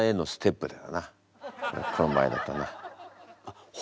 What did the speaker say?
この場合だとな。